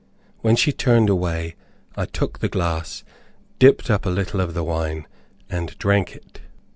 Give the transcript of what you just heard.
When she turned away, I took the glass, dipped up a little of the wine, and drank it.